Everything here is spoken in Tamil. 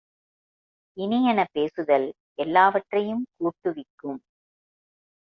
இனியன பேசுதல் எல்லாவற்றையும் கூட்டுவிக்கும்.